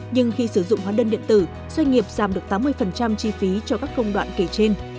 nhưng khi sử dụng hóa đơn điện tử doanh nghiệp giảm được tám mươi chi phí cho các công đoạn kể trên